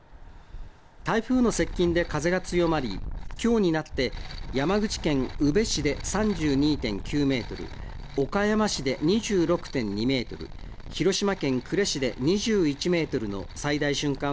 台風の接近で風が強まり、きょうになって、山口県宇部市で３２．９メートル、岡山市で２６．２メートル、広島県呉市で２１メートルの最大瞬間